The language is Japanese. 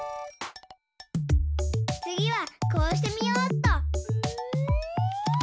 つぎはこうしてみようっと。